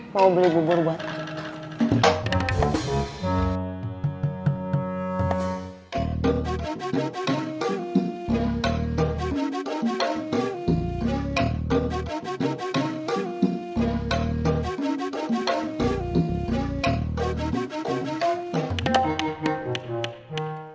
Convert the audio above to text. mau beli bubur buat